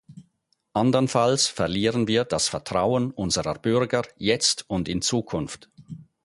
Andernfalls verlieren wir das Vertrauen unserer Bürger jetzt und in Zukunft.